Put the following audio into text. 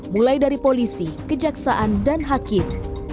mulai dari polisi kejaksaan dan hakim